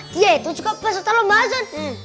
dia itu juga peserta pembahasan